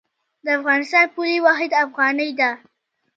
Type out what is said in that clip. د افغانستان پولي واحد افغانۍ ده